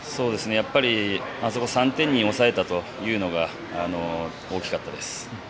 あそこを３点に抑えたというのが大きかったです。